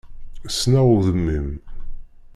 Ssneɣ udem-im.